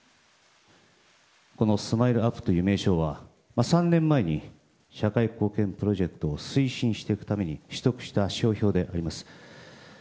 このスマイルアップという名称は３年前に社会貢献プロジェクトを推進していくために取得した商標であります。